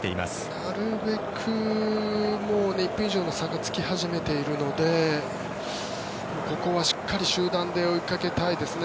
なるべく、１分以上の差がつき始めているのでここはしっかり集団で追いかけたいですね。